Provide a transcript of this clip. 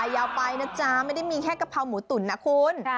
ยาวไปนะจ๊ะไม่ได้มีแค่กะเพราหมูตุ๋นนะคุณ